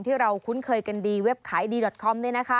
ที่เราคุ้นเคยกันดีเว็บขายดีดอทคอม